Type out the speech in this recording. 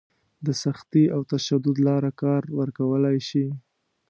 د سختي او تشدد لاره کار ورکولی شي.